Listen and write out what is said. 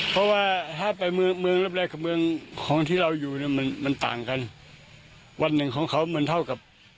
เพราะว่าถ้าไปเมืองเมืองรับแรกกับเมืองของที่เราอยู่เนี่ยมันมันต่างกันวันหนึ่งของเขามันเท่ากับ